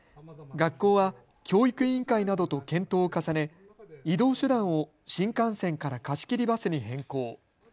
学校は、教育委員会などと検討を重ね移動手段を新幹線から貸し切りバスに変更。